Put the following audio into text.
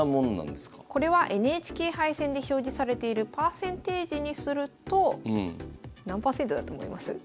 これはＮＨＫ杯戦で表示されているパーセンテージにすると何％だと思います？